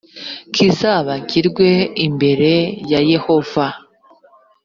kizabagirwe imbere ya yehova